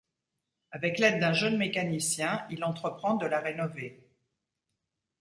Avec l’aide d'un jeune mécanicien, il entreprend de la rénover.